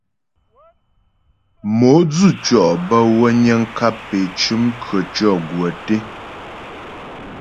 Mo dzʉtʉɔ bə́ wə niŋ kap é cʉm khətʉɔ̌ gwə́ té.